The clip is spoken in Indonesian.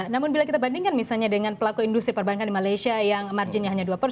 namun bila kita bandingkan misalnya dengan pelaku industri perbankan di malaysia yang marginnya hanya dua persen